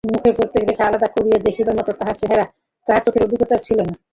মুখের প্রত্যেক রেখা আলাদা করিয়া দেখিবার মতো তাহার চোখের অভিজ্ঞতা ছিল না।